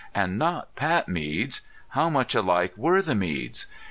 And not Pat Mead's.... How much alike were the Meads?...